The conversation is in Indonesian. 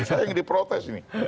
saya yang diprotes ini